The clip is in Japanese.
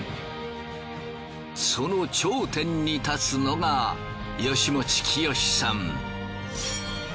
その頂点に立つのが吉用清さん。